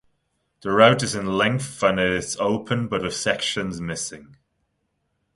The route is in length and is open but with sections missing.